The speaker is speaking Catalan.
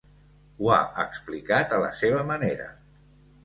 Ho ha explicat a la seva manera.